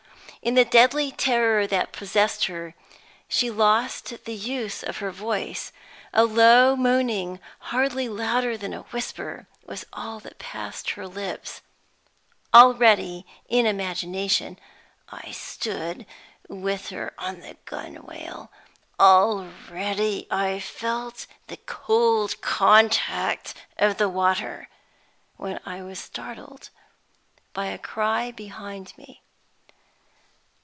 In the deadly terror that possessed her, she lost the use of her voice. A low moaning, hardly louder than a whisper, was all that passed her lips. Already, in imagination, I stood with her on the gunwale, already I felt the cold contact of the water when I was startled by a cry behind me.